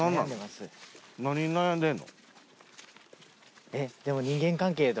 何に悩んでんの？